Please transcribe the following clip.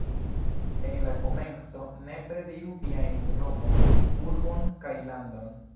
En la komenco, nepre diru viajn nomon, urbon kaj landon.